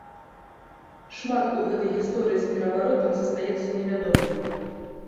Шмат у гэтай гісторыі з пераваротам застаецца невядомым.